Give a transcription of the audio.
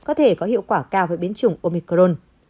có thể có hiệu quả cao với biến chủng omicron